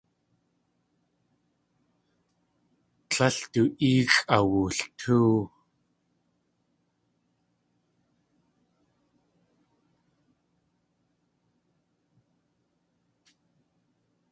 Tlél du éexʼ awultóow.